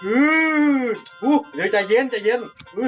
อื้อใจเย็น